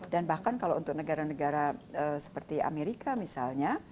dan bahkan kalau untuk negara negara seperti amerika misalnya